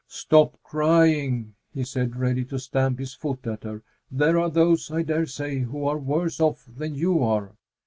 "Stop crying!" he said, ready to stamp his foot at her. "There are those, I dare say, who are worse off than you are."